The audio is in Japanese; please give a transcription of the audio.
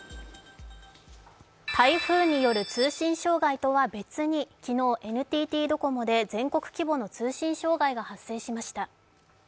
台風による通信障害とは別に昨日ＮＴＴドコモで全国規模の通信障害が発生しました